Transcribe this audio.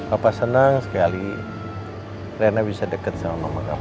apa senang sekali lena bisa deket sama mama kamu